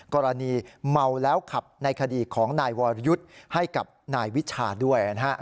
กรณีเมาแล้วขับในคดีของนายวรยุทธ์ให้กับนายวิชาด้วยนะครับ